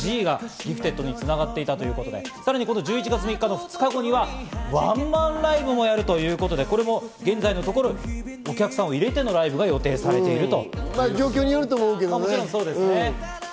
ＢＭＳＧの「Ｇ」が『Ｇｉｆｔｅｄ．』に繋がっていたということで、１１月３日の２日後にはワンマンライブもやるということで、現在のところ、お客さんを入れてのライブが予定されていると。